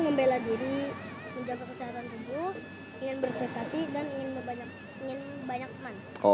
ingin berprestasi dan ingin banyak teman